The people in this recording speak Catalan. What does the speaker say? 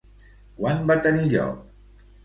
Quan va tenir lloc?